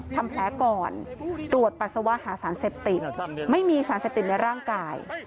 ทำแผลก่อนตรวจปัสสาวะหาสารเสพติดไม่มีสารเสพติดในร่างกาย